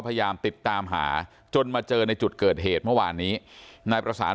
พยายามติดตามหาจนมาเจอในจุดเกิดเหตุเมื่อวานนี้นายประสาน